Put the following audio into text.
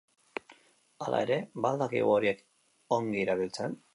Hala ere, ba al dakigu horiek ongi erabiltzen?